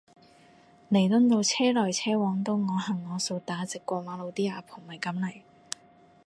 彌敦道車來車往都我行我素打直過馬路啲阿婆咪噉嚟